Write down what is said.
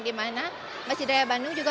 di mana masjid raya bandung juga